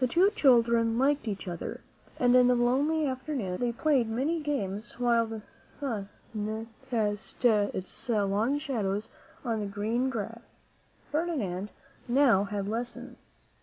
The two children liked each other, and in the lonely afternoons they played many games while the sun cast its long shadows on the green grass. Ferdinand now had lessons.